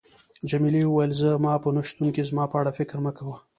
جميلې وويل: زما په نه شتون کې زما په اړه فکر مه کوه.